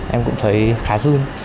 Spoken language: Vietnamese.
em cũng thấy khá dư